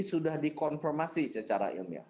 sudah dikonfirmasi secara ilmiah